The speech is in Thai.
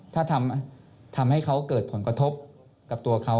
ถ้าทำให้เขาเกิดผลกระทบกับตัวเขา